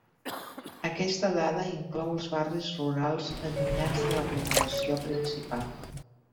Aquesta dada inclou els barris rurals allunyats de l'aglomeració principal.